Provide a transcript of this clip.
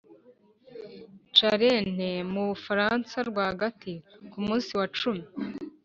charente, mu bufaransa rwagati, ku munsi wa cumi